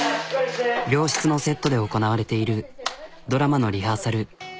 病室のセットで行なわれているドラマのリハーサル。